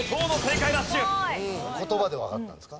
言葉でわかったんですか？